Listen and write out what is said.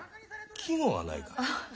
季語がないか。